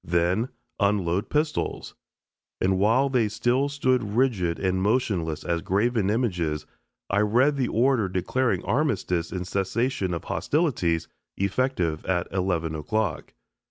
Then "Unload pistols." And while they still stood rigid and motionless as graven images, I read the order declaring armistice and cessation of hostilities effective at 11 o'clock.